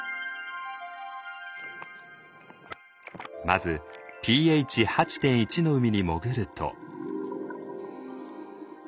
まずｐＨ８．１の海に潜ると。